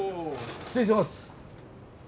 失礼します。